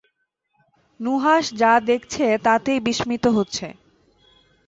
নুহাশ যা দেখছে তাতেই বিস্মিত হচ্ছে।